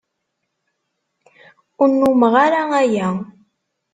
Ur nnummeɣ ara aya.